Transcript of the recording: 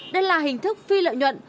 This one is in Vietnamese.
đây là hình thức phi lợi nhuận